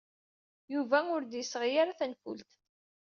Yuba ur d-yesɣi ara tanfult.